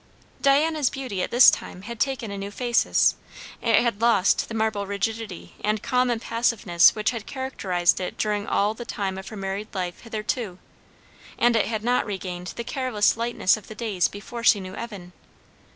Diana's beauty at this time had taken a new phasis. It had lost the marble rigidity and calm impassiveness which had characterized it during all the time of her married life hitherto; and it had not regained the careless lightness of the days before she knew Evan.